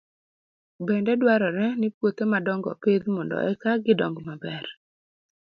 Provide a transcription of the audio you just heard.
Bende dwarore ni puothe madongo opidh mondo eka gidong maber.